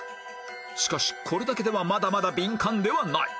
しかしこれだけではまだまだビンカンではない